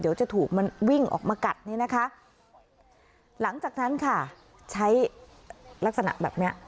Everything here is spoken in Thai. เดี๋ยวจะถูกมันวิ่งออกมากัดนี่นะคะหลังจากนั้นค่ะใช้ลักษณะแบบเนี้ย